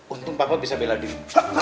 untung papua bisa bela diri